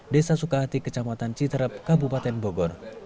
desa suka hati kecamatan citrep kabupaten bogor